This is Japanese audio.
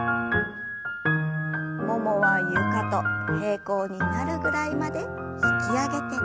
ももは床と平行になるぐらいまで引き上げて。